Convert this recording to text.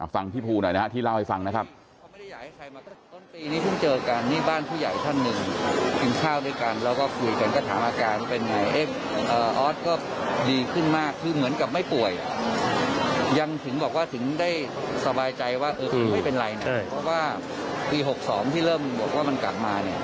ฟังพี่ภูหน่อยนะครับที่เล่าให้ฟังนะครับ